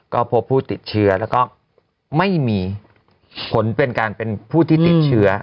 ก็พบผู้ติดเชื้อแล้วก็ไม่มีผลเป็นการเป็นผู้ที่ติดเชื้อ